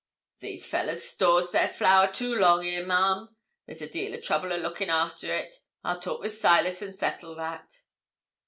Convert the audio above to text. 'These fellahs stores their flour too long 'ere, ma'am. There's a deal o' trouble a looking arter it. I'll talk wi' Silas, and settle that.'